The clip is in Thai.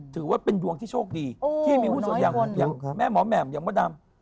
ถือว่าเป็นดวงที่โชคดีที่มีหุ้นส่วนอย่างแม่หมอแหม่มอย่างมดดำ